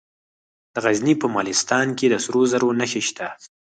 د غزني په مالستان کې د سرو زرو نښې شته.